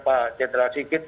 pak jendral sikit